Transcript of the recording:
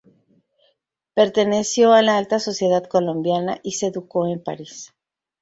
Perteneció a la alta sociedad colombiana y se educó en París.